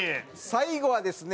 最後はですね